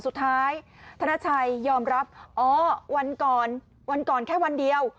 สุดท้ายธนชัยยอมรับวันก่อนแค่วันเดียว